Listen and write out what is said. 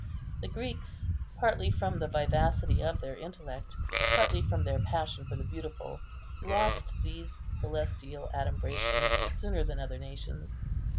The Greeks, partly from the vivacity of their intellect, partly from their passion for the beautiful, lost these celestial adumbrations sooner than other nations.